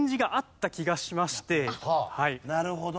なるほど。